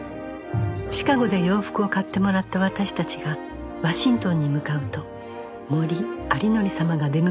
シカゴで洋服を買ってもらった私たちがワシントンに向かうと森有礼様が出迎えてくださいました